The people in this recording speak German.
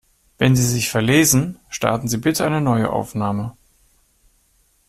Wenn Sie sich verlesen, starten Sie bitte eine neue Aufnahme.